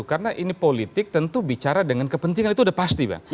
karena ini politik tentu bicara dengan kepentingan itu udah pasti bang